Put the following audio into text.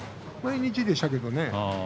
毎日でしたけれどね。